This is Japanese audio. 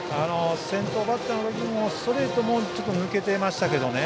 先頭バッターへのストレートもちょっと抜けていましたけどね。